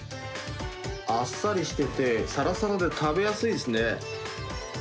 あっさりしてて、さらさらで食べやすいですね。